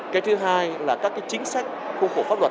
cái thứ hai là các chính sách khu khuẩn